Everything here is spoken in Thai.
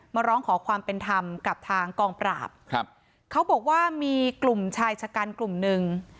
มาร้องขอความเป็นธรรมกับทางกองปราบครับเขาบอกว่ามีกลุ่มชายชะกันกลุ่มหนึ่ง